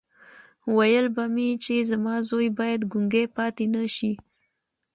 ويل به مې چې زما زوی بايد ګونګی پاتې نه شي.